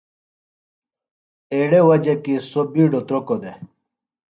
ایڑہ وجہ کیۡ سوُ بِیڈوۡ تُرۡوکوۡ دےۡ۔